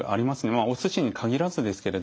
まあお寿司に限らずですけれども。